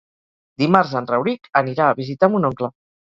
Dimarts en Rauric anirà a visitar mon oncle.